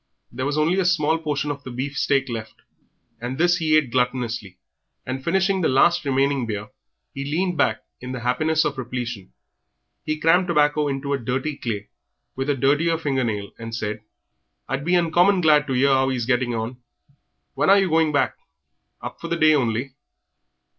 There was only a small portion of the beef steak left, and this he ate gluttonously, and, finishing the last remaining beer, he leaned back in the happiness of repletion. He crammed tobacco into a dirty clay, with a dirtier finger nail, and said "I'd be uncommon glad to 'ear how he is getting on. When are you going back? Up for the day only?"